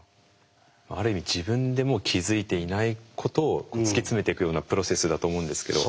ある意味自分でも気付いていないことを突き詰めていくようなプロセスだと思うんですけど。